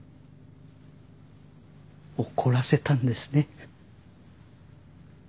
怒らせたんですね。